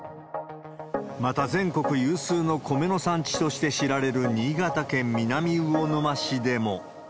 また、全国有数のコメの産地として知られる新潟県南魚沼市でも。